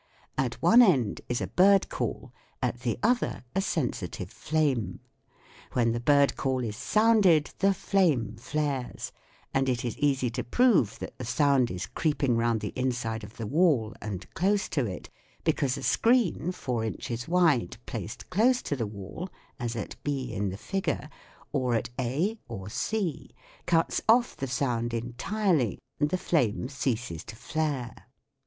At one end is a bird call, at the other a sensitive flame. When the bird call is sounded the flame flares ; and it is easy to prove that the sound is creeping round the inside of the wall and close to it, because a screen, four inches wide, placed close to the wall as at b in the figure, or at a or c, cuts off the sound entirely and the SOUNDS OF THE TOWN 85 flame ceases to flare.